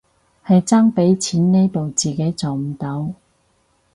係差畀錢呢步自己做唔到